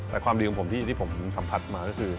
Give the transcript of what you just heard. แต่ความดีของผมที่ผมสัมผัสมาก็คือ